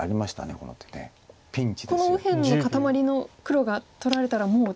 この右辺の固まりの黒が取られたらもう。